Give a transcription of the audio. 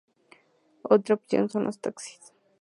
Otra opción son los taxis.